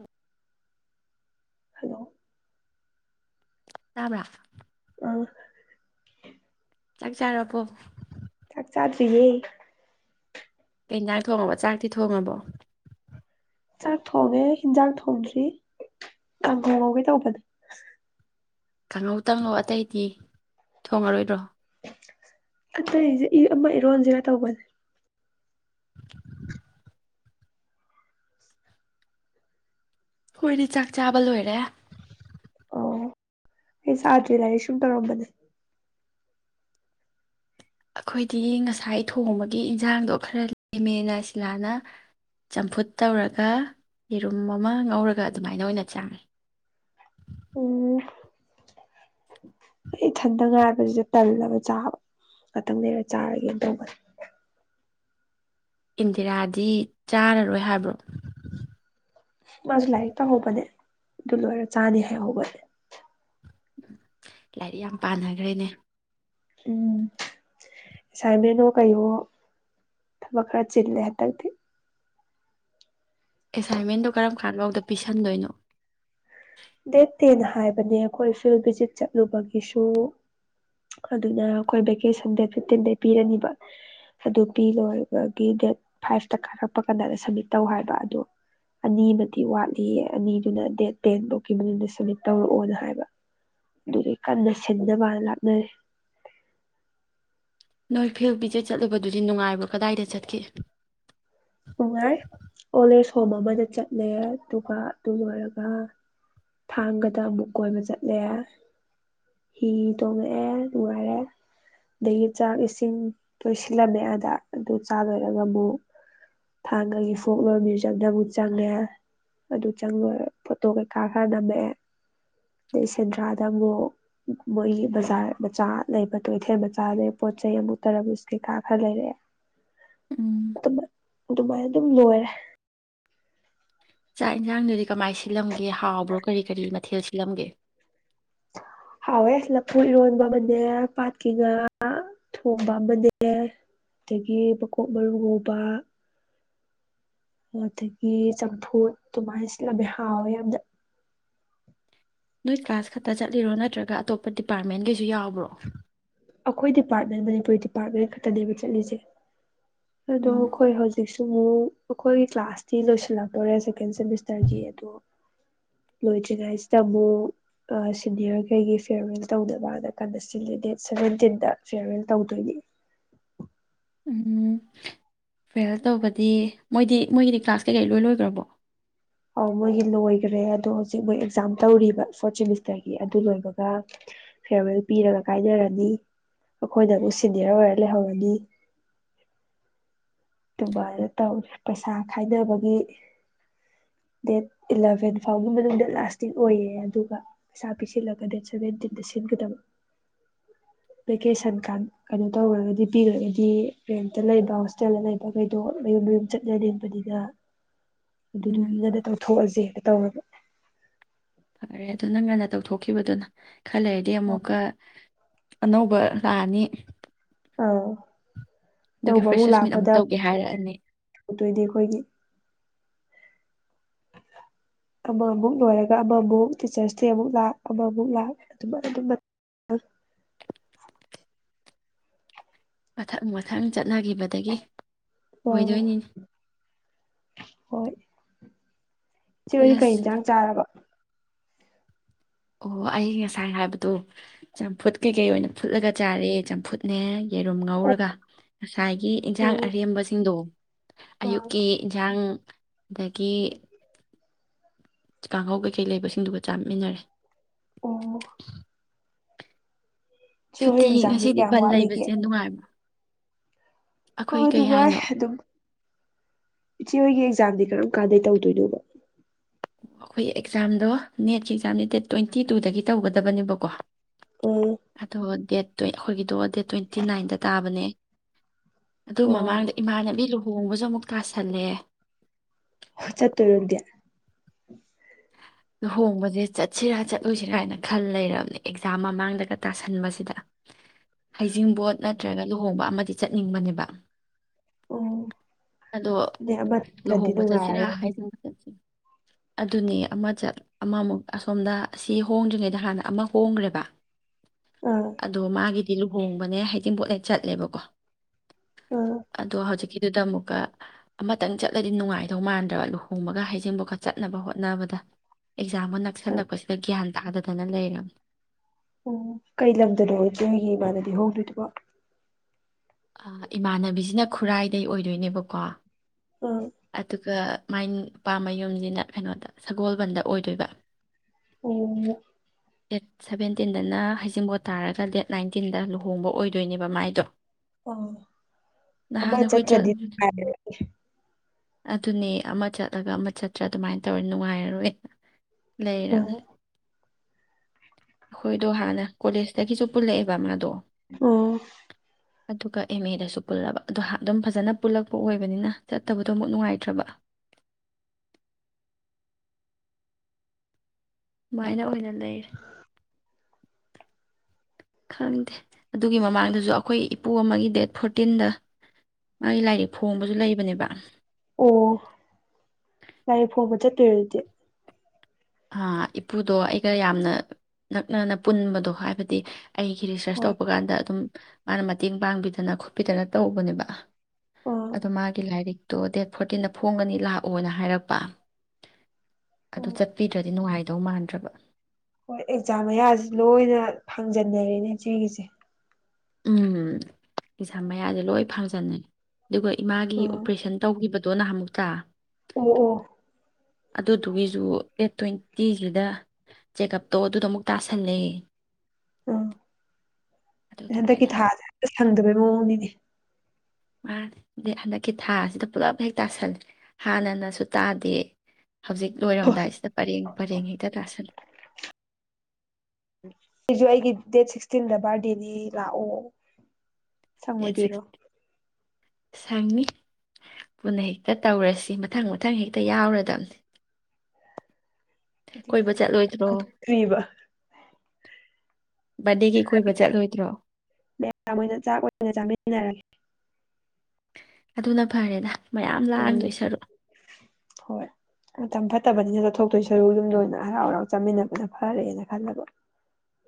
ꯎ ꯍꯜꯂꯣ ꯔꯝ ꯔꯥꯐ ꯑ ꯆꯥꯛ ꯆꯥꯔꯔꯕꯣ ꯆꯥꯛ ꯆꯥꯁꯨꯌꯦ ꯀꯟꯖꯥꯡ ꯊꯣꯡꯉꯕ ꯆꯥꯛꯇꯤ ꯊꯣꯡꯉꯕꯣ ꯆꯥꯛ ꯊꯣꯡꯉꯦ ꯍꯤꯟꯖꯥꯡ ꯊꯣꯡꯗ꯭ꯔꯤ ꯇꯥꯡꯈꯣ ꯉꯧꯒꯦ ꯇꯧꯕꯅꯦ ꯀꯥꯡꯍꯧ ꯇꯪꯪꯂꯣ ꯑꯇꯩꯗꯤ ꯊꯣꯡꯉꯔꯣꯏꯗ꯭ꯔꯣ ꯑꯇꯩꯁꯦ ꯑꯃ ꯏꯔꯣꯟꯁꯤꯒ ꯇꯧꯕꯅꯦ ꯍꯣꯏꯅꯦ ꯆꯥꯛ ꯆꯥꯕ ꯂꯣꯏꯔꯦ ꯑꯣ ꯑꯩ ꯁꯥꯗ꯭ꯔꯤꯗ ꯁꯨꯝ ꯇꯧꯔꯝꯕꯅꯦ ꯑꯩꯈꯣꯏꯗꯤ ꯉꯁꯥꯏ ꯊꯣꯡꯕꯒꯤ ꯏꯟꯁꯥꯡꯗꯣ ꯈꯔ ꯂꯦꯝꯃꯦꯅ ꯁꯤꯂꯥꯅ ꯆꯝꯐꯨꯠ ꯇꯧꯔꯒ ꯌꯦꯔꯨꯝ ꯑꯃ ꯉꯧꯔꯒ ꯑꯗꯨꯃꯥꯏꯅ ꯑꯣꯏꯅ ꯆꯥꯡꯉꯤ ꯎꯝ ꯑꯩ ꯏꯊꯟꯗ ꯉꯥꯏꯕꯁꯤꯗ ꯇꯜꯂꯒ ꯆꯥꯕ ꯉꯥꯛꯇꯪ ꯂꯩꯔ ꯆꯥꯔꯒꯦꯅ ꯇꯧꯕꯅꯤ ꯏꯟꯗꯤꯔꯥꯗꯤ ꯆꯥꯔꯔꯣꯏ ꯍꯥꯏꯕ꯭ꯔꯣ ꯃꯥꯁꯨ ꯂꯥꯏꯔꯤꯛ ꯇꯧꯍꯧꯕꯅꯦ ꯑꯗꯨ ꯂꯣꯏꯔ ꯆꯥꯅꯤ ꯍꯥꯏꯍꯧꯕꯅꯦ ꯂꯥꯏꯔꯤꯛ ꯌꯥꯝ ꯄꯥꯅꯈ꯭ꯔꯦꯅꯦ ꯎꯝ ꯑꯦꯁꯥꯏꯟꯃꯟꯅꯣ ꯀꯩꯌꯣ ꯊꯕꯛ ꯈꯔ ꯆꯤꯜꯂꯦ ꯍꯟꯇꯛꯇꯤ ꯑꯦꯁꯥꯏꯟꯦꯟꯔꯝ ꯃꯈꯥꯟꯐꯧꯗ ꯄꯤꯤꯁꯟꯗꯣꯏꯅꯣ ꯗ ꯇꯦꯟ ꯍꯥꯏꯕꯅꯦ ꯑꯩꯈꯣꯏ ꯐꯤꯜ ꯚꯤꯖꯤꯠ ꯆꯠꯂꯨꯕꯒꯤꯁꯨ ꯑꯗꯨꯅ ꯑꯩꯈꯣꯏ ꯚꯦꯀꯦꯁꯟ ꯗꯦꯠ ꯐꯤꯐꯇꯤꯟꯗꯩ ꯄꯤꯔꯅꯤꯕ ꯑꯗꯨ ꯄꯤ ꯂꯣꯏꯕꯒꯤ ꯗꯦꯠ ꯐꯥꯏꯚꯇ ꯀꯥꯔꯛꯄ ꯀꯥꯟꯗꯗ ꯁꯝꯃꯤꯠ ꯇꯧ ꯍꯥꯏꯕ ꯑꯗꯨꯗ ꯑꯅꯤꯃꯗꯤ ꯋꯥꯠꯂꯤꯌꯦ ꯑꯅꯤꯗꯨꯅ ꯗꯦꯠ ꯇꯦꯟꯐꯧ ꯃꯅꯨꯡꯗ ꯁꯃꯤꯠ ꯇꯧꯔꯛꯑꯣꯅ ꯍꯥꯏꯕ ꯑꯗꯨꯗꯩ ꯀꯟꯅ ꯁꯤꯟꯗꯕꯅ ꯂꯥꯞꯅꯔꯤꯦ ꯅꯣꯏ ꯐꯤ ꯄꯤꯖꯦ ꯆꯠꯂꯨꯕꯗꯨꯗꯤ ꯅꯨꯡꯉꯥꯏꯕ ꯀꯗꯥꯏꯗ ꯆꯠꯈꯤ ꯅꯨꯡꯉꯥꯏ ꯑꯣꯜ ꯑꯦꯖ ꯍꯣꯝ ꯑꯃꯗ ꯆꯠꯂꯦ ꯑꯗꯨꯒ ꯑꯗꯨ ꯂꯣꯏꯔꯒ ꯊꯥꯡꯒꯗ ꯑꯃꯨꯛ ꯀꯣꯏꯕ ꯆꯠꯂꯦ ꯍꯤ ꯇꯣꯡꯉꯛꯑꯦ ꯅꯨꯡꯉꯥꯏꯔꯦ ꯑꯗꯒꯤ ꯆꯥꯛ ꯏꯁꯤꯡ ꯇꯣꯏꯁꯤꯜꯂꯝꯃꯦꯦ ꯑꯗ ꯑꯗꯨ ꯆꯥ ꯂꯣꯏꯔꯒ ꯑꯃꯨꯛ ꯊꯥꯡꯒꯒꯤ ꯐꯣꯛ ꯂꯣꯔ ꯃ꯭ꯌꯨꯖꯤꯝꯗ ꯑꯃꯨꯛ ꯆꯪꯉꯦ ꯑꯗꯨ ꯆꯪ ꯐꯣꯇꯣ ꯀꯩꯀꯥ ꯈꯔ ꯅꯝꯃꯛꯑꯦ ꯑꯗꯩ ꯁꯦꯟꯗ꯭ꯔꯥꯗ ꯑꯃꯨꯛ ꯃꯣꯏꯒꯤ ꯕꯖꯥꯔ ꯃꯆꯥ ꯂꯩꯕ ꯇꯣꯏꯊꯦꯜ ꯃꯆꯥ ꯂꯩ ꯄꯣꯠ ꯆꯩꯩ ꯑꯃꯨꯛ ꯇꯔꯕꯨ ꯀꯩꯀꯥ ꯈꯔ ꯂꯩꯔꯛꯑꯦ ꯎꯝ ꯑꯗꯨꯃ ꯑꯗꯨꯗꯨꯕꯥꯏꯗ ꯑꯗꯨꯝ ꯂꯣꯏꯔꯦ ꯆꯥꯛ ꯌꯦꯟꯁꯥꯡꯗꯨꯗꯤ ꯀꯃꯥꯏ ꯁꯤꯜꯂꯝꯒꯦ ꯍꯥꯎꯕ꯭ꯔꯣ ꯀꯔꯤ ꯀꯔꯤ ꯃꯊꯦꯜ ꯁꯤꯜꯂꯝꯒꯦ ꯍꯥꯎꯋꯦ ꯂꯐꯨ ꯏꯔꯣꯟꯕ ꯑꯃꯅꯦ ꯄꯥꯠꯀꯤ ꯉꯥ ꯊꯣꯡꯕ ꯑꯃꯅꯦ ꯑꯗꯒꯤ ꯃꯀꯣꯛ ꯃꯔꯨ ꯍꯕ ꯑꯗꯒꯤ ꯆꯝꯐꯨꯠ ꯑꯗꯨꯃꯥꯏꯅ ꯁꯤꯜꯂꯝꯃꯦ ꯍꯥꯎꯋꯦ ꯌꯥꯝꯅ ꯅꯣꯏ ꯀ꯭ꯂꯥꯁ ꯈꯛꯇ ꯆꯠꯂꯤꯔꯣ ꯅꯠꯇ꯭ꯔꯒ ꯑꯇꯣꯞꯄ ꯗꯤꯄꯥꯔꯠꯃꯦꯟꯒꯤꯩꯁꯨ ꯌꯥꯎꯕ꯭ꯔꯣ ꯑꯩꯈꯣꯏ ꯗꯤꯄꯥꯔꯠꯃꯦꯟ ꯃꯅꯤꯄꯨꯔꯤ ꯗꯤꯄꯥꯔꯠꯃꯦꯟ ꯈꯛꯇꯅꯦꯕ ꯆꯠꯂꯤꯁꯦ ꯑꯗꯣ ꯎꯝ ꯑꯩꯈꯣꯏ ꯍꯧꯖꯤꯛꯁꯨ ꯑꯃꯨꯛ ꯑꯩꯈꯣꯏꯒꯤ ꯀ꯭ꯂꯥꯁꯇꯤ ꯂꯣꯏꯁꯤꯜꯂꯛꯇꯣꯔꯦ ꯁꯦꯀꯦꯟ ꯁꯦꯃꯤꯁꯇꯔꯒꯤ ꯑꯗꯣ ꯂꯣꯏꯗ꯭ꯔꯤꯉꯩꯁꯤꯗ ꯑꯃꯨꯛ ꯁꯤꯅꯤꯌꯔꯈꯩꯒꯤ ꯐꯤꯌꯔꯋꯦꯜ ꯇꯧꯗꯅꯕꯗ ꯀꯟꯗ ꯗꯦꯠ ꯁꯚꯦꯟꯇꯤꯟꯗ ꯐꯤꯌꯔꯋꯦꯜ ꯇꯧꯗꯣꯏꯅꯤ ꯎꯝ ꯐꯦꯜ ꯇꯧꯕꯗꯤ ꯃꯣꯏꯗꯤ ꯃꯣꯏꯒꯤꯗꯤ ꯀ꯭ꯂꯥꯁ ꯀꯩꯀꯩ ꯂꯣꯏ ꯂꯣꯏꯈ꯭ꯔꯕꯣ ꯑꯥꯎ ꯃꯣꯏꯒꯤ ꯂꯣꯏꯈ꯭ꯔꯦ ꯑꯗꯣ ꯍꯧꯖꯤꯛ ꯃꯣꯏ ꯑꯦꯛꯖꯥꯝ ꯇꯧꯔꯤꯕ ꯐꯣꯔꯠ ꯁꯦꯃꯤꯁꯇꯔꯒꯤ ꯑꯗꯨ ꯂꯣꯏꯕꯒ ꯐꯤꯔꯋꯦꯜ ꯄꯤꯔꯒ ꯀꯥꯏꯅꯔꯅꯤ ꯑꯩꯈꯣꯏꯅꯕꯨ ꯁꯤꯦꯅꯤꯌꯔ ꯑꯣꯏꯔ ꯂꯩꯍꯧꯔꯅꯤ ꯑꯗꯨꯝꯕꯅ ꯇꯧꯔꯦ ꯄꯩꯁꯥ ꯈꯥꯏꯅꯕꯒꯤ ꯗꯦꯠ ꯏꯂꯚꯦꯟ ꯐꯥꯎꯒꯤ ꯃꯅꯨꯡꯗ ꯂꯥꯁꯇꯤꯡ ꯑꯣꯏꯌꯦ ꯑꯗꯨꯒ ꯄꯩꯁꯥ ꯄꯤꯁꯤꯜꯂꯒ ꯗꯦꯠ ꯁꯚꯦꯟꯇꯤꯟꯗ ꯁꯤꯟꯒꯗꯕ ꯚꯦꯀꯦꯁꯟ ꯀꯥꯟ ꯀꯩꯅꯣ ꯇꯧꯔꯒꯗꯤ ꯄꯤꯔꯒꯗꯤ ꯔꯦꯟꯇ ꯂꯩꯕ ꯍꯣꯁꯇꯦꯜꯗ ꯂꯩꯕ ꯀꯩꯗꯣ ꯃꯌꯨꯝ ꯃꯌꯨꯝ ꯆꯠꯂ ꯂꯦꯡꯕꯅꯤꯗ ꯎꯝ ꯑꯗꯨꯗꯤꯦ ꯇ ꯊꯣꯛꯑꯁꯦ ꯇꯧꯔꯒ ꯐꯔꯦ ꯑꯗꯨꯣ ꯅꯪ ꯉꯟꯅ ꯇꯧꯊꯣꯛꯈꯤꯕꯗꯨꯅ ꯈꯜꯂꯔꯗꯤ ꯑꯃꯨꯛꯀ ꯑꯅꯧꯕ ꯔꯥꯑꯅꯤ ꯑꯥꯎ ꯇꯧꯕꯕꯨ ꯐ꯭ꯔꯦꯁꯔꯁ ꯃꯤꯠ ꯑꯃꯨꯛ ꯂꯥꯛꯄꯗ ꯇꯧꯒꯦ ꯍꯥꯏꯔꯛꯑꯅꯤ ꯇꯧꯗꯣꯏꯗꯤ ꯑꯩꯈꯣꯏꯒꯤ ꯑꯃ ꯑꯃꯨꯛ ꯂꯣꯏꯔꯒ ꯑꯃꯃꯨꯛ ꯇꯤꯆꯔꯁ ꯗꯦ ꯑꯃꯨꯛ ꯂꯥꯛ ꯑꯃꯃꯨꯛ ꯂꯥꯛ ꯑꯗꯨꯝ ꯑꯗꯨꯝ ꯃꯊꯪ ꯃꯊꯪ ꯆꯠꯅꯈꯤꯕꯗꯒꯤ ꯑꯥ ꯑꯣꯏꯗꯣꯏꯅꯤ ꯍꯣꯏ ꯏꯆꯦ ꯍꯧꯗꯤ ꯀꯩ ꯁꯦꯁ ꯌꯦꯟꯖꯥꯡ ꯆꯥꯔꯕ ꯑꯣ ꯑꯩ ꯉꯁꯥꯏ ꯍꯥꯏꯕꯗꯣ ꯆꯝꯐꯨꯠ ꯀꯩꯀꯩ ꯑꯣꯏꯅ ꯐꯨꯠꯂꯒ ꯆꯥꯔꯦ ꯆꯝꯐꯨꯠꯅꯦ ꯌꯦꯩꯔꯨꯝ ꯑꯣ ꯉꯧꯔꯒ ꯉꯁꯥꯏꯒꯤ ꯑꯣ ꯌꯦꯟꯖꯥꯡ ꯑꯔꯦꯝꯕꯁꯤꯡꯗꯣ ꯑꯥ ꯑꯌꯨꯛꯀꯤ ꯏꯟꯁꯥꯡ ꯗꯒꯤ ꯀꯥꯡꯍꯧ ꯀꯩꯀꯩ ꯂꯩꯕꯁꯤꯡꯗꯨꯒ ꯆꯥꯃꯤꯟꯅꯔꯦ ꯑꯣ ꯆꯦ ꯍꯣꯏ ꯁꯨꯇꯤ ꯑꯦꯛꯖꯥꯝꯗꯤ ꯉꯁꯤꯗꯤ ꯀꯌꯥꯝ ꯕꯟ ꯋꯥꯠꯂꯤꯒꯦ ꯂꯩꯕꯁꯦ ꯅꯨꯡꯉꯥꯏꯕ꯭ꯔꯥ ꯍ ꯑꯩꯈꯣꯏ ꯀꯩ ꯑꯗꯨꯒꯒ ꯍꯥꯏꯅꯣ ꯑꯗꯨ ꯑꯗꯨꯝ ꯏꯆꯦ ꯍꯣꯏꯒꯤ ꯑꯦꯛꯖꯥꯝꯗꯤ ꯀꯔꯝ ꯀꯥꯟꯗꯗꯒꯤ ꯇꯧꯗꯣꯏꯅꯣꯕ ꯑꯩꯈꯣꯏ ꯑꯦꯛꯖꯥꯝꯗꯣ ꯅꯦꯠꯁ ꯑꯦꯛꯖꯥꯝꯗꯤ ꯗꯦꯠ ꯇ꯭ꯋꯦꯟꯇꯤ ꯇꯨꯗꯒꯤ ꯇꯧꯒꯗꯕꯅꯦꯕꯀꯣ ꯑꯥ ꯑꯗꯣ ꯗꯦꯠ ꯑꯩꯈꯣꯏꯒꯤꯗꯣ ꯗꯦꯠ ꯇ꯭ꯋꯦꯟꯇꯤ ꯅꯥꯏꯟꯗ ꯇꯥꯕꯅꯦ ꯑꯗꯨ ꯑꯣ ꯃꯃꯥꯡꯗ ꯏꯃꯥꯟꯅꯕꯤ ꯂꯨ ꯊꯣꯡꯕꯁꯨ ꯑꯃꯨꯛ ꯇꯥꯁꯜꯂꯦ ꯆꯠꯇꯣꯢꯔꯣ ꯅꯪꯗꯤ ꯂꯨꯍꯣꯡꯕꯁꯦ ꯆꯠꯁꯤꯔꯥ ꯆꯠꯂꯨꯁꯤꯔꯥ ꯍꯥꯏꯅ ꯈꯜ ꯂꯩꯔꯕꯅꯦ ꯑꯦꯛꯖꯥꯝ ꯃꯃꯥꯡꯗꯒ ꯇꯥꯁꯟꯕꯁꯤꯗ ꯍꯩꯖꯤꯡꯕꯣꯠ ꯅ ꯅꯠꯇꯔꯒ ꯂꯨꯍꯣꯡꯕ ꯑꯃꯗꯤ ꯆꯠꯅꯤꯡꯕꯅꯦꯕ ꯎꯝ ꯑꯗꯣ ꯑꯗꯩ ꯑꯃ ꯅꯠꯇ꯭ꯔꯗꯤ ꯂꯨꯍꯣꯡꯕ ꯆꯠꯁꯤꯔꯥ ꯅꯨꯡꯉꯥꯏꯔꯔꯣꯏ ꯍꯥꯏꯖꯤꯡꯕꯣꯠ ꯆꯠꯁꯤ ꯑꯗꯨꯅ ꯑꯃ ꯑꯃꯃꯨꯛ ꯑꯁꯣꯝꯗ ꯁꯤ ꯍꯣꯡꯗ꯭ꯔꯤꯉꯩꯗ ꯍꯥꯟꯅ ꯑꯃ ꯍꯣꯡꯈ꯭ꯔꯦꯕ ꯑꯥ ꯑꯗꯣ ꯃꯥꯒꯤ ꯗꯤ ꯂꯨꯍꯣꯡꯕꯅꯦ ꯍꯩꯗꯤꯤꯡ ꯄꯣꯠꯂ ꯆꯠꯂꯦꯕꯀꯣ ꯑꯥ ꯑꯗ ꯍꯧꯖꯤꯛ ꯀꯤꯗꯨꯗ ꯑꯃꯨꯛꯀ ꯑꯃꯇꯪ ꯆꯠꯂꯗꯤ ꯅꯨꯡꯉꯥꯏꯗꯧ ꯃꯥꯟꯗ꯭ꯔꯒ ꯂꯨꯍꯣꯡꯕꯒ ꯍꯩꯖꯤꯡꯕꯥꯎꯒ ꯆꯠꯅꯕ ꯍꯣꯠꯅꯕꯗ ꯑꯦꯛꯖꯥꯝꯒ ꯑꯣ ꯅꯛꯁꯜꯂꯛꯄꯁꯤꯗ ꯒ꯭ꯌꯥꯟ ꯇꯥꯗꯗꯅ ꯂꯩꯔꯕꯝꯅꯤ ꯑꯣ ꯋꯥ ꯏꯃꯥꯟꯅꯕꯤꯁꯤꯅ ꯈꯨꯔꯥꯏꯗꯩ ꯑꯣꯏꯗꯣꯏꯅꯦꯕꯀꯣ ꯑꯥ ꯑꯗꯨꯒ ꯃꯥꯏ ꯄꯥꯝꯕ ꯌꯨꯝꯁꯤꯅ ꯀꯩꯅꯣꯗ ꯁꯒꯣꯜꯕꯟꯗ ꯑꯣꯏꯗꯣꯏꯕ ꯑꯣ ꯗꯦꯠ ꯁꯕꯦꯟꯇꯤꯟꯗꯅ ꯍꯩꯖꯤꯡꯕ ꯇꯥꯔꯒ ꯗꯦꯠ ꯅꯥꯏꯟꯇꯤꯟꯗ ꯂꯨꯍꯣꯡꯕ ꯑꯣꯏꯗꯣꯏꯅꯦꯕ ꯃꯥꯏꯗꯣ ꯑꯕ ꯅꯍꯥꯟ ꯑꯩꯈꯣꯏ ꯆꯠ ꯆꯠꯇ꯭ꯔꯗꯤ ꯑꯗꯨꯅꯦ ꯑꯃ ꯆꯠꯂꯒ ꯑꯃ ꯆꯠꯇ꯭ꯔꯥ ꯑꯗꯨꯃꯥꯏꯅ ꯇꯧꯔ ꯅꯨꯡꯉꯥꯏꯔꯔꯣꯏꯅ ꯂꯩꯔ ꯑꯩꯈꯣꯏꯗꯣ ꯍꯥꯟꯅ ꯀꯣꯂꯦꯖꯇꯒꯤꯁꯨ ꯄꯨꯜꯂꯛꯑꯦꯕ ꯃꯥꯗꯣ ꯑꯥ ꯑꯗꯨꯒ ꯑꯦꯝ ꯑꯦꯗꯁꯨ ꯄꯨꯜꯂꯕ ꯑꯗꯣ ꯑꯗꯨꯝ ꯐꯖꯅ ꯄꯨꯜꯂꯛꯄ ꯑꯣꯏꯕꯅꯤꯅ ꯆꯠꯇꯕꯗꯣ ꯑꯃꯨꯛ ꯅꯨꯡꯉꯥꯏꯇ꯭ꯔꯕ ꯁꯨꯃꯥꯏꯅ ꯑꯣꯏꯅ ꯂꯩꯔ ꯈꯪꯗꯦ ꯑꯗꯨꯒꯤ ꯃꯃꯥꯡꯗꯁꯨ ꯑꯩꯈꯣꯏ ꯏꯄꯨ ꯑꯃꯒꯤ ꯗꯦꯠ ꯐꯣꯔꯇꯤꯟꯗ ꯃꯥꯒꯤ ꯂꯥꯏꯔꯤꯛ ꯐꯣꯡꯕꯁꯨ ꯂꯩꯕꯅꯦꯕ ꯑꯣ ꯂꯔꯤ ꯐꯣꯡꯕ ꯆꯠꯇꯣꯏ ꯑꯗꯨꯗꯤ ꯏꯄꯨꯗꯣ ꯑꯩꯒ ꯌꯥꯝꯅ ꯅꯛꯅꯅ ꯄꯨꯟꯕꯗꯣ ꯍꯥꯏꯕꯗꯤ ꯑꯩꯒꯤ ꯔꯤꯁꯔꯁ ꯍꯣꯏ ꯇꯧꯕ ꯀꯥꯟꯗ ꯑꯗꯨꯝ ꯃꯥꯅ ꯃꯇꯦꯡ ꯄꯥꯡꯕꯤꯗꯅ ꯈꯣꯠꯄꯤꯗꯅ ꯇꯧꯕꯅꯦꯕ ꯑꯥ ꯑꯣ ꯃꯥꯒꯤ ꯂꯥꯏꯔꯤꯛ ꯑꯣ ꯗꯦꯠ ꯐꯣꯔꯇꯤꯟꯗ ꯐꯣꯡꯒꯅꯤ ꯂꯥꯛꯑꯣꯅ ꯍꯥꯏꯔꯛꯄ ꯑꯗꯨ ꯎꯝ ꯆꯠ ꯁꯤ ꯅꯨꯡꯉꯥꯏꯗꯧ ꯃꯥꯟꯗ꯭ꯔꯕ ꯍꯣꯏ ꯑꯦꯛꯖꯥꯝ ꯃꯌꯥꯁꯤ ꯂꯣꯏꯅ ꯐꯪꯖꯟꯅꯔꯦꯅꯦ ꯏꯆꯦꯒꯤꯁꯦ ꯎꯝ ꯄꯩꯁꯥ ꯃꯌꯥꯗꯤꯦ ꯂꯣꯏ ꯐꯪꯖꯟꯅꯅꯤ ꯑꯗꯨꯒ ꯏꯃꯥꯒꯤ ꯎꯝ ꯑꯣꯄꯔꯦꯁꯟ ꯇꯧꯈꯤꯕ ꯑꯣ ꯅꯍ ꯑꯃꯨꯛ ꯆ ꯑꯣ ꯑꯣ ꯑꯗꯨꯗꯨꯒꯤꯁꯨ ꯑꯦꯦꯠ ꯇ꯭ꯋꯦꯟꯇꯤꯁꯤꯗ ꯆꯦꯛꯑꯞꯇꯣ ꯑꯗꯨꯗ ꯑꯃꯨꯛ ꯇꯥꯁꯜꯂꯦ ꯑꯗꯨ ꯑ ꯍꯟꯗꯛꯀꯤ ꯑꯗꯨꯃꯥꯏꯅ ꯊꯥꯁꯦ ꯁꯪꯗꯕ ꯔꯅꯤꯅꯦ ꯃꯥ ꯍꯟꯗꯛꯀꯤ ꯊꯥꯁꯤꯗ ꯄꯨꯜꯂꯞ ꯍꯦꯛ ꯇꯥꯁꯂꯦ ꯍꯥꯟꯅꯅꯁꯨ ꯇꯥꯗꯦ ꯍꯧꯖꯤꯛ ꯍꯣꯏ ꯂꯣꯏꯔꯝꯗꯥꯏꯁꯤꯗ ꯄꯔꯦꯡ ꯄꯔꯦꯡ ꯍꯦꯛꯇ ꯂꯥꯥꯁꯂ ꯑꯩꯁꯨ ꯑꯩꯒꯤ ꯗꯦꯠ ꯁꯤꯛꯁꯇꯤꯟꯗ ꯕꯥꯔꯗꯦꯅꯤ ꯂꯥꯛꯑꯣ ꯗꯦꯠ ꯁꯪꯉꯣꯏꯗꯣꯏꯔꯣ ꯁꯤꯛꯁ ꯁꯪꯅꯤ ꯄꯨꯟꯅ ꯍꯦꯛꯇ ꯇꯧꯔꯁꯤ ꯃꯊꯪ ꯃꯊꯪ ꯍꯦꯛꯇ ꯌꯥꯎꯔꯗꯕꯅꯤ ꯀꯣꯏꯕ ꯆꯠꯂꯣꯏꯗ꯭ꯔꯣ ꯑꯗꯨ ꯀ꯭ꯔꯤꯕ ꯕꯥꯔꯗꯦꯒꯤ ꯀꯣꯏꯕ ꯆꯠꯂꯣꯏꯗ꯭ꯔꯣ ꯦ ꯑꯗꯨꯅ ꯐꯔꯦꯗ ꯃꯌꯥꯝ ꯎꯝ ꯂꯥꯡꯗꯣꯏ ꯁꯔꯨꯛ ꯝ ꯐꯠꯇꯕꯅꯤꯅ ꯆꯠꯊꯣꯛꯇꯣꯏ ꯁꯔꯨ ꯌꯨꯝꯗ ꯑꯣꯏꯅ ꯍꯔꯥꯎ ꯍꯔꯥꯎ ꯆꯥꯃꯤꯟꯅꯕꯅ ꯐꯔꯦꯅ ꯈꯜꯂꯕ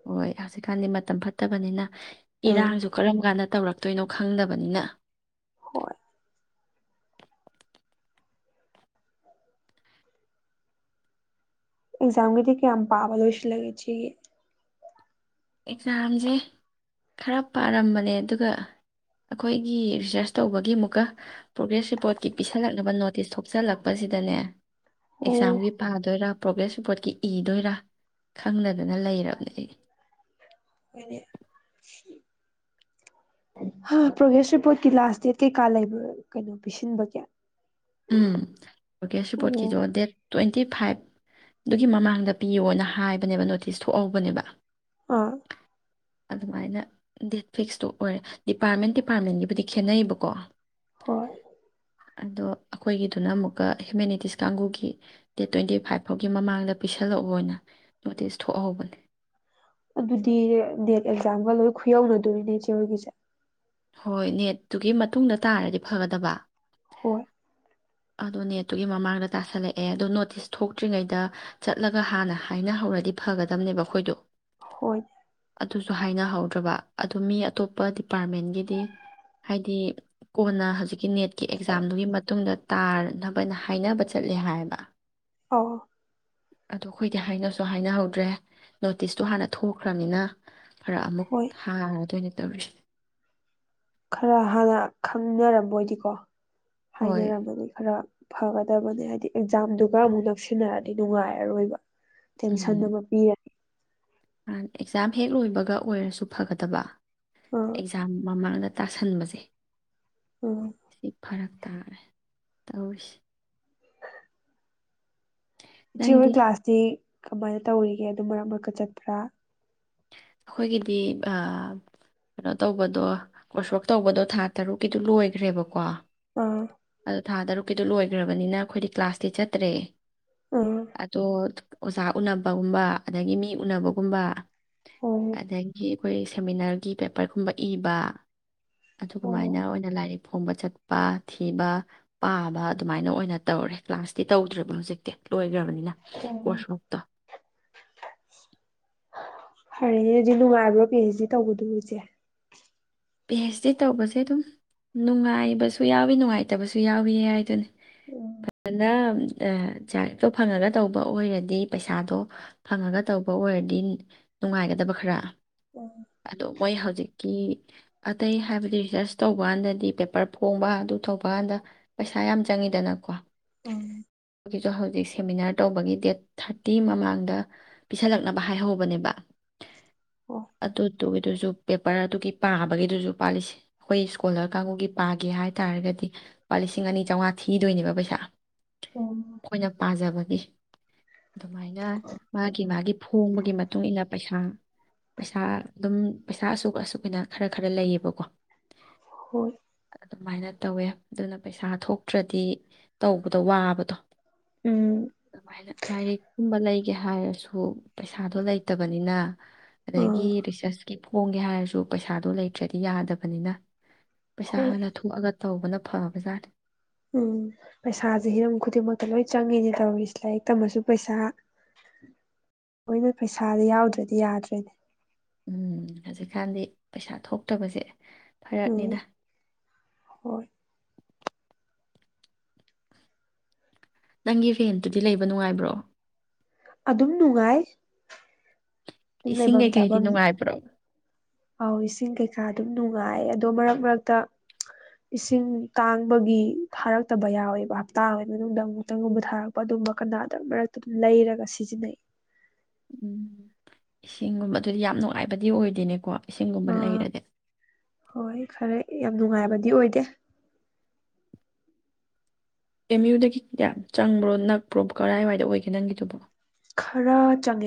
ꯍꯣꯏ ꯍꯧꯖꯤꯛꯀꯥꯟꯗꯤ ꯃꯇꯝ ꯐꯠꯇꯕꯅꯤꯅ ꯎꯝ ꯏꯔꯥꯡꯁꯨ ꯀꯔꯝ ꯀꯥꯟꯗ ꯇꯧꯔꯛꯀ ꯇꯣꯏꯩꯅꯣ ꯈꯪꯗꯕꯅꯤꯅ ꯍꯣꯏ ꯑꯦꯛꯖꯝꯒꯗꯤ ꯀ ꯌꯥꯝ ꯄꯕꯂꯁ ꯂꯒꯦꯁꯤ ꯑꯦꯛꯖꯥꯝꯁꯦ ꯈꯔ ꯄꯥꯔꯝꯕꯅꯦ ꯑꯗꯨꯒ ꯑꯩꯈꯣꯏꯒꯤ ꯔꯤꯁꯔꯁ ꯇꯧꯕꯒꯤ ꯑꯃꯨꯛꯀ ꯄ꯭ꯔꯣꯒ꯭ꯔꯦꯁ ꯔꯤꯄꯣꯔꯠꯀꯤ ꯄꯤꯁꯜꯂꯛꯅꯕ ꯅꯣꯇꯤꯁ ꯊꯣꯛꯆꯜꯂꯛꯄꯁꯤꯗꯅꯦ ꯑꯣ ꯑꯦꯛꯁꯥꯝꯒꯤ ꯐꯥꯗꯔ ꯄ꯭ꯔꯣꯒ꯭ꯔꯦꯁ ꯔꯤꯄꯣꯔꯠꯀꯤ ꯏꯗꯣꯏꯔꯥ ꯈꯪꯅꯗꯅ ꯂꯩꯔꯕꯅꯦ ꯑꯩ ꯄ꯭ꯔꯣꯒ꯭ꯔꯦꯁ ꯔꯤꯄꯣꯔꯠꯀꯤ ꯂꯥꯁ ꯗꯦꯠ ꯀꯩꯀꯥ ꯂꯩꯕ ꯀꯩꯅꯣ ꯄꯤꯁꯤꯟꯕꯒꯦ ꯎꯝ ꯑꯣꯀꯦꯁꯨꯄꯠꯈꯤꯗꯣ ꯗꯦꯠ ꯇ꯭ꯋꯤ ꯐꯥꯇꯤ ꯐꯥꯏꯚꯗꯨꯒꯤ ꯃꯃꯥꯡꯗ ꯄꯤꯌꯣꯅ ꯍꯥꯏꯕꯅꯦꯕ ꯅꯣꯇꯤꯁ ꯊꯣꯛꯍꯧꯕꯅꯦꯕ ꯑꯥ ꯑꯗꯨꯃꯥꯏꯅ ꯗꯦꯠ ꯐꯤꯛꯁꯇꯣ ꯑꯣꯏꯔꯦ ꯗꯤꯄꯥꯔꯠꯃꯦꯟ ꯗꯤꯄꯥꯔꯠꯃꯦꯟꯒꯤꯕꯨꯗꯤ ꯈꯦꯠꯅꯩꯌꯦꯕꯀꯣ ꯍꯣꯏ ꯑꯗꯣ ꯑꯩꯈꯣꯏꯒꯤꯗꯨꯅ ꯑꯃꯨꯛꯀ ꯍꯤꯌꯨꯃꯅꯤꯇꯤꯁ ꯀꯥꯡꯕꯨꯒꯤ ꯗꯦꯠ ꯇ꯭ꯋꯦꯟꯇꯤ ꯐꯥꯏꯚ ꯐꯥꯎꯒꯤ ꯃꯃꯥꯡꯗ ꯄꯤꯁꯜꯂꯛꯑꯣꯅ ꯅꯣꯇꯤꯁ ꯊꯣꯛꯍꯍꯧꯕꯅꯦ ꯑꯦꯛꯖꯥꯝꯒꯜ ꯂꯣꯏ ꯈꯨꯌꯧꯅꯗꯣꯔꯤꯅꯦ ꯏꯆꯦ ꯍꯣꯏꯒꯤꯁꯦ ꯍꯣꯏ ꯅꯦꯠꯇꯨꯒꯤ ꯃꯇꯨꯡꯗ ꯇꯥꯔꯗꯤ ꯐꯒꯗꯕ ꯍꯣꯏ ꯑꯗꯨꯣ ꯅꯦꯠꯇꯨꯒꯤ ꯃꯃꯥꯡꯗ ꯇꯥꯁꯜꯂꯛꯑꯦ ꯑꯗꯨꯗꯣ ꯅꯣꯇꯤꯁ ꯊꯣꯛꯇ꯭ꯔꯤꯉꯩꯗ ꯆꯠꯂꯒ ꯍꯥꯟꯅ ꯍꯥꯏꯅꯍꯧꯔꯗꯤ ꯐꯒꯗꯝꯕꯅꯦꯕ ꯑꯩꯈꯣꯏꯗꯣ ꯍꯣꯏ ꯑꯗꯨꯁꯨ ꯍꯥꯏꯅꯍꯧꯗ꯭ꯔꯕ ꯑꯗꯨ ꯃꯤ ꯑꯇꯣꯞꯄ ꯗꯤꯄꯥꯔꯠꯃꯦꯟꯒꯤ ꯍꯥꯏꯗꯤ ꯍꯥꯏꯗꯤ ꯀꯣꯟꯅ ꯍꯧꯖꯤꯛꯀꯤ ꯅꯦꯠꯀꯤ ꯑꯦꯛꯖꯥꯝꯗꯨꯒꯤ ꯃꯇꯨꯡꯗ ꯇꯥꯅꯕꯅ ꯍꯥꯏꯅꯕ ꯆꯠꯂꯦ ꯍꯥꯏꯌꯦꯕ ꯑꯣ ꯑꯗꯣ ꯑꯩꯈꯣꯏꯗꯤ ꯍꯥꯏꯅꯁꯨ ꯍꯥꯏꯅꯍꯧꯗ꯭ꯔꯦ ꯅꯣꯇꯤꯁꯇꯣ ꯍꯥꯟꯅ ꯊꯣꯛꯈ꯭ꯔꯅꯤꯅ ꯈꯔ ꯑꯃꯨꯛ ꯍꯣꯏ ꯍꯥꯡꯉꯔꯗꯣꯏ ꯑꯣꯏꯅ ꯇꯧꯔꯤꯁꯤꯅꯦ ꯈꯔ ꯍꯥꯟꯅ ꯈꯪꯅꯔꯝꯃꯣꯏꯗꯤꯀꯣ ꯍꯣꯏ ꯍꯥꯏꯅꯔꯔꯕꯅꯤ ꯈꯔ ꯐꯒꯗꯕꯅꯦ ꯍꯥꯏꯗꯤ ꯑꯦꯛꯖꯥꯝꯗꯨꯒ ꯑꯃꯨꯛ ꯅꯛꯁꯤꯟꯅꯔꯗꯤ ꯅꯨꯡꯉꯥꯏꯔꯔꯣꯏꯕ ꯇꯦꯟꯁꯟ ꯎꯝ ꯑꯃ ꯄꯤꯔꯅꯤ ꯑꯦꯛꯖꯥꯝ ꯍꯦꯛ ꯂꯣꯏꯕꯒ ꯑꯣꯏꯔꯁꯨ ꯐꯒꯗꯕ ꯑꯥ ꯑꯦꯛꯖꯥꯝ ꯃꯃꯥꯡꯗ꯫ ꯇꯥꯁꯟꯕꯁꯦ꯫ ꯑꯣ꯫ ꯁꯤ ꯐꯔꯛ ꯇꯥꯔꯦ ꯇꯧꯔꯤꯁꯤ꯫ ꯏꯆꯣ ꯅꯪꯗꯤ ꯀ꯭ꯂꯥꯁꯇꯤ꯫ ꯀꯃꯥꯏꯅ ꯇꯧꯔꯤꯒꯦ ꯑꯗꯨ ꯃꯔꯛ ꯃꯔꯀ ꯆꯠꯄ꯭ꯔꯥ꯫ ꯑꯩꯈꯣꯏꯒꯤꯗꯤ ꯑ ꯀꯩꯅꯣ ꯇꯧꯕꯗꯣ ꯀꯣꫪꯁꫭꯛ ꯇꯧꯕꯗꯣ ꯊꯥ ꯇꯔꯨꯛꯀꯤꯗꯨꯣ ꯂꯣꯏꯈ꯭ꯔꯦꯕꯀꯣ꯫ ꯑꯥ ꯑ ꯊꯥ ꯇꯔꯨꯛ꯫ ꯀꯤꯗꯨ ꯂꯣꯏꯈ꯭ꯔꯕꯅꯤꯅ ꯑꯩꯈꯣꯏꯗꯤ ꯀ꯭ꯂꯥꯁꯇꯤ ꯆꯠꯇ꯭ꯔꯦ꯫ ꯑꯥ ꯑꯗꯣ ꯑꯣꯖ꯫ ꯎꯅꯕꯒꯨꯝꯕ ꯑꯗꯒꯤ ꯃꯤ ꯎꯅꯕꯒꯨꯝꯕ꯫ ꯑꯣ ꯑꯗꯒꯤ꯫ ꯑꯩꯈꯣꯏ ꯁꯦꯃꯤꯅꯥꫪꯒꯤ ꯄꯦꯄꫪꯒꯨꯝꯕ ꯏꯕ꯫ ꯑꯗꯨꯃꯥꯏꯅ ꯑꯣ ꯑꯣꯏꯅ ꯂꯥꯏꯔꯤꯛ꯫ ꯐꯣꯡꯕ ꯆꯠꯄ ꯊꯤꯕ ꯄꯥꯕ ꯑꯗꯨꯃꯥꯏꯅ ꯑꯣꯏꯅ ꯇꯧꯔꯦ ꯀ꯭ꯂꯥꯁꯇꯤ ꯇꯧꯗ꯭ꯔꯦꯕ ꯍꯧꯖꯤꯛꯇꯤ ꯂꯣꯏꯈ꯭ꯔꯕꯅꯤ꯫ ꯅ ꯑꯣ ꯀꫭꫪꯁꯕꯨꯛꯇꫭ꯫ ꯐꯔꯦꯅꯦ ꯑꯗꯨꯗꯤ ꯅꯨꯡꯉꯥꯏꯕ꯭ꯔꯣ ꯄꯤꯑꯥꯏꯁꯗꯤ ꯇꯧꯕꯗꯣ ꯏꯆꯦ꯫ ꯄꯤ ꯑꯦꯆ ꯗꯤ ꯇꯧꯕꯁꯦ ꯑꯗꯨꯝ ꯅꯨꯡꯉꯥꯏꯕꯁꯨ ꯌꯥꯎꯋꯤ ꯅꯨꯡꯉꯥꯏꯇꯕꯁꯨ ꯌꯥꯎꯏꯌꯦ ꯍꯥꯏꯗꯨꯅꯤ꯫ ꯎꯝ ꯐꯅ꯫ ꯖꯤꯑꯥꫪꯑꯦꯐꯇꯣ ꯐꯪꯉꯒ ꯇꯧꯕ ꯑꯣꯏꯔꯗꯤ ꯄꯩꯁꯥꯗꯣ ꯐꯪꯉꯒ ꯇꯧꯕ ꯑꯣꯏꯔꯗꯤ ꯅꯨꯡꯉꯥꯏꯒꯗꯕ ꯈꯔ꯫ ꯑ꯫ ꯃꫭꯏ ꯍꯧꯖꯤꯛꯀꯤ꯫ ꯑꯇꯩ ꯍꯥꯏꯕꯗꯤ ꯔꯤꯁꫪꯁ ꯇꯧꯕ ꯀꯥꯟꯗꯗꯤ ꯄꯦꯄꫪ ꯐꯣꯡꯕ ꯑꯗꯨ ꯇꯧꯕ ꯀꯥꯟꯗ ꯄꯩꯁꯥ ꯌꯥꯝ ꯆꯪꯉꯤꯗꯅꯀꯣ꯫ ꯎꯝ꯫ ꯒꯤꯁꯨ ꯍꯧꯖꯤꯛ ꯁꯦꯃꯤꯅꯥꫪ ꯇꯧꯕꯒꯤ ꯗꯦꯠ ꯊꯥꯔꯇꯤ ꯃꯃꯥꯡꯗ ꯄꯤꯁꯜꯂꯛꯅꯕ ꯍꯥꯏꯍꯧꯕꯅꯦꯕ꯫ ꯑꯣ ꯑꯗꯨ꯫ ꯑꯗꯨꯒꯤꯗꯨꯁꯨ ꯄꯦꯄꫪ ꯑꯗꯨꯒꯤ ꯄꯥꯕ꯫ ꯒꯤꯗꯨꯁꯨ ꯄꯥ ꯂꯤ ꯑꯩꯈꯣꯏ ꯏꯁꯀꯣꯂꫪ ꯀꯥꯡꯕꯨꯒꯤ ꯄꯥꯒꯦ ꯍꯥꯏꯇꯥꯥꯔꯒꯗꯤ ꯂꯨꯄꯥ ꯂꯤꯁꯤꯡ ꯑꯅꯤ ꯆꯥꯝꯃꯉꯥ ꯊꯤꯗꯣꯏꯅꯦꯕ ꯄꯩꯁꯥ꯫ ꯎꯝ ꯑꯩꯈꯣꯏꯅ ꯄꯥꯖꯕ꯫ ꯑꯗꯨꯃꯥꯏꯅ ꯃꯥꯒꯤ ꯃꯥꯒꯤ ꯐꯣꯡꯕꯒꯤ ꯃꯇꯨꯡꯏꯟꯅ ꯄꯩꯁꯥ ꯄꯩꯁꯥ ꯑꯗꯨꯝ ꯄꯩꯁꯥ ꯑꯁꯨꯛ ꯑꯁꯨꯛ ꯑꯅ꯫ ꯈꯔ ꯈꯔ ꯂꯩꯌꯦꯕꯀꯣ꯫ ꯍꯣꯏ꯫ ꯑꯗꯨꯃꯥꯏꯅ ꯇꯧꯋꯦ ꯑꯗꯨꯅ ꯄꯩꯁꯥ ꯊꯣꯛꯇ꯭ꯔꯗꯤ ꯇꯧꯕꯗꯣ ꯋꯥꯕꯗꯣ꯫ ꯎꯝ ꯑꯗꯨꯃꯥꯏꯅ ꯂꯥꯏꯔꯤꯛꯀꯨꯝꯕ ꯂꯩ꯫ ꯒꯦ ꯍꯥꯏꯔꯁꯨ ꯄꯩꯁꯥꯗꯣ ꯂꯩꯇꯕꯅꯤꯅ꯫ ꯑꯗꯒꯤ ꯑꯥ ꯔꯤꯁꯥꯁꯀꯤ ꯫ ꯐꫭꯡꯒꯦ ꯍꯥꯏꯔꯁꯨ꯫ ꯄꯩꯁꯥꯗꯨꯣ ꯂꯩꯇ꯭ꯔꯗꯤ ꯌꯥꯗꯕꯅꯤꯅ ꯄꯩꯁꯥ ꯍꯣꯏ ꯍꯥꯟꯅ ꯊꯣꯛꯑꯒ ꯇꯧꯕꯅ ꯐꯕꯖꯥꯠꯅꯤ ꯎꯝ ꯄꯩꯁꯥꯁꯦ ꯍꯤꯔꯝ ꯈꯨꯗꯤꯡꯃꯛꯇ ꯂꯣꯏ ꯆꯪꯉꯤꯅꯦ ꯇꯧꯔꯤꯁꯦ ꯂꯥꯏꯔꯤꯛ ꯇꯝꯃꯁꯨ ꯄꯩꯁꯥ ꯂꯣꯏꯅ ꯄꯩꯁꯥꯗꯤ ꯌꯥꯎꯗ꯭ꯔꯗꯤ ꯌꯥꯗ꯭ꯔꯦꯅꯦ ꯎꯝ ꯍꯧꯖꯤꯛꯀꯥꯟꯗꯤ ꯄꯩꯁꯥ ꯊꯣꯛꯇꯕꯁꯦ ꯎꯝ ꯐꯔꯛꯅꯤꯗ ꯍꯣꯏ ꯅꯪꯒꯤ ꯐꯔꯦꯟꯇꯨꯗꯤ ꯂꯩꯕ ꯅꯨꯡꯉꯥꯏꯕ꯭ꯔꯣ ꯑꯗꯨꯝ ꯅꯨꯡꯉꯥꯏ ꯑꯗꯨꯝ ꯏꯁꯤꯡ ꯂꯩꯐꯝ ꯀꯩꯀꯩꯗꯤ ꯆꯥꯐꯝ ꯅꯨꯡꯉꯥꯏꯕ꯭ꯔꯣ ꯑꯥꯎ ꯏꯁꯤꯡ ꯀꯩꯀꯥ ꯑꯗꯨꯝ ꯅꯨꯡꯉꯥꯏ ꯑꯗꯣ ꯃꯔꯛ ꯃꯔꯛꯇ ꯏꯁꯤꯡ ꯇꯥꯡꯕꯒꯤ ꯊꯥꯔꯛꯇꯕ ꯌꯥꯎꯋꯦꯕ ꯍꯞꯇꯥ ꯑꯃꯒꯤ ꯃꯅꯨꯡꯗ ꯑꯃꯨꯛꯇꯪꯒꯨꯝꯕ ꯊꯥꯔꯛꯄ ꯑꯗꯨꯝꯕ ꯀꯅꯥꯗ ꯃꯔꯛꯇ ꯑꯗꯨꯝ ꯂꯩꯔꯒ ꯁꯤꯖꯤꯟꯅꯩ ꯎꯝ ꯏꯁꯤꯡꯒꯨꯝꯕ ꯑꯗꯨꯗꯤ ꯌꯥꯝ ꯅꯨꯡꯉꯥꯏꯕꯗꯤ ꯑꯣꯏꯗꯣꯏꯅꯦꯀꯣ ꯏꯁꯤꯡꯒꯨꯝꯕ ꯑꯥ ꯂꯩꯔꯗꯤ ꯍꯣꯏ ꯈꯔ ꯌꯥꯝ ꯅꯨꯡꯉꯥꯏꯕꯗꯤ ꯑꯣꯏꯗꯦ ꯑꯦꯝ ꯌꯨꯗꯒꯤ ꯀꯌꯥ ꯆꯪꯕ꯭ꯔꯣ ꯅꯛꯄ꯭ꯔꯣꯨꯞ ꯀꯔꯏꯋꯥꯏꯗ ꯑꯣꯏꯒꯦ ꯅꯪꯒꯤꯗꯨꯕꯣ ꯈꯔ ꯆꯪꯉ